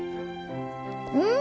うん！